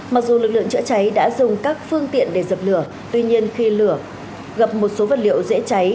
mặc dù lực lượng chữa cháy đã dùng các phương tiện để dập lửa tuy nhiên khi lửa gặp một số vật liệu dễ cháy